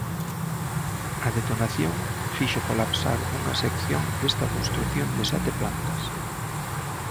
A detonación fixo colapsar unha sección desta construción de sete plantas.